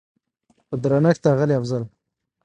په درنښت اغلې افضل